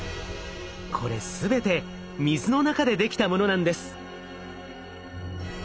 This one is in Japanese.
これ全て水の中で出来たものなんです。